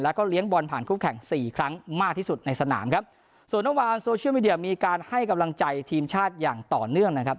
แล้วก็เลี้ยงบอลผ่านคู่แข่งสี่ครั้งมากที่สุดในสนามครับส่วนเมื่อวานโซเชียลมีเดียมีการให้กำลังใจทีมชาติอย่างต่อเนื่องนะครับ